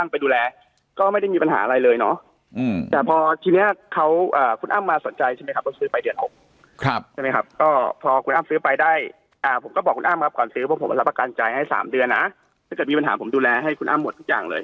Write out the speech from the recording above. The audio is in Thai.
พวกพวกเรากับการใช้ให้สามเดือนนะไปดูแลให้คุณหมดทุกอย่างเลย